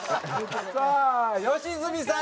さあ良純さん。